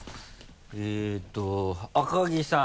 えっと赤木さん。